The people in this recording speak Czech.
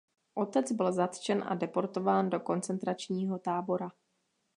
Otec byl zatčen a deportován do koncentračního tábora.